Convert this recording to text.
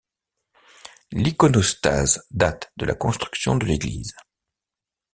L'iconostase date de la construction de l'église.